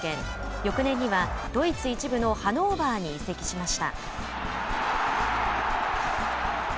翌年にはドイツ１部のハノーバーに移籍しました。